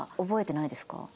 覚えてないですか？